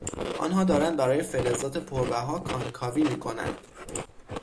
آنها دارند برای فلزات پربها کانکاوی می کنند.